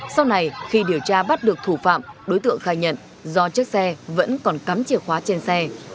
sau này khi điều tra bắt được thủ phạm đối tượng khai nhận do chiếc xe vẫn còn cắm chìa khóa trên xe